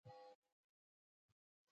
چې موږ د هغې ښځې کرامت مراعات کړی دی.